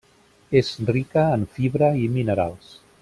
És rica en fibra i minerals.